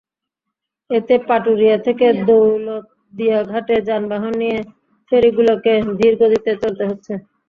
এতে পাটুরিয়া থেকে দৌলতদিয়া ঘাটে যানবাহন নিয়ে ফেরিগুলোকে ধীরগতিতে চলতে হচ্ছে।